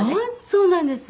そうなんです。